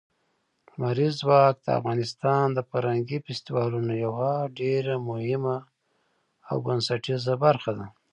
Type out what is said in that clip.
لمریز ځواک د افغانستان د فرهنګي فستیوالونو یوه ډېره مهمه او بنسټیزه برخه ده.